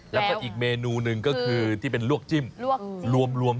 แล้วก็อีกเมนูหนึ่งก็คือที่เป็นลวกจิ้มลวกรวม